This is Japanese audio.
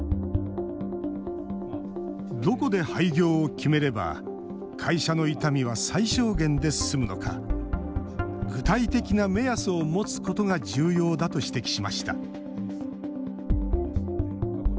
どこで廃業を決めれば会社の痛みは最小限で済むのか具体的な目安を持つことが重要だと指摘しました。